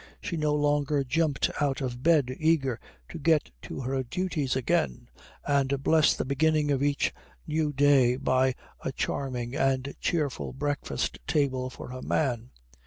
She no longer jumped out of bed eager to get to her duties again and bless the beginning of each new day by a charming and cheerful breakfast table for her man.